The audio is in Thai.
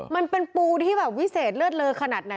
มันเป็นปูที่แบบวิเศษเลือดเลอขนาดไหน